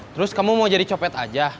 terus kamu mau jadi copet aja